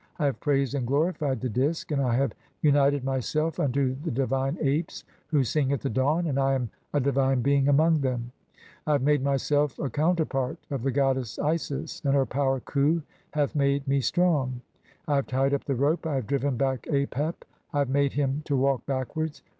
I "have praised and glorified the Disk, (5) and I have united "myself unto the divine apes who sing at the dawn, and I am "a divine Being among them. I have made myself a counter "part of the goddess Isis, (6) and her power (Khu) hath made "me strong. I have tied up the rope, I have driven back Apep, "I have made him to walk backwards.